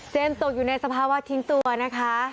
ตกอยู่ในสภาวะทิ้งตัวนะคะ